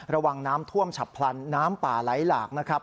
ระวังน้ำท่วมฉับพลันน้ำป่าไหลหลากนะครับ